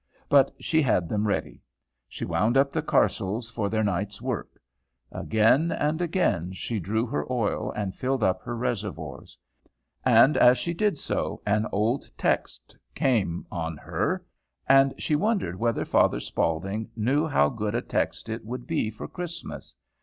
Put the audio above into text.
But she had them ready. She wound up the carcels for their night's work. Again and again she drew her oil and filled up her reservoirs. And as she did so, an old text came on her, and she wondered whether Father Spaulding knew how good a text it would be for Christmas.